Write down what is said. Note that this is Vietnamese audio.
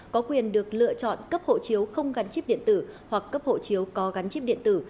có quyền được lựa chọn cấp hộ chiếu không gắn chip điện tử hoặc cấp hộ chiếu có gắn chip điện tử